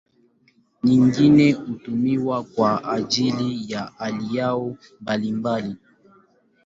Nyingine hutumiwa kwa ajili ya aloi mbalimbali.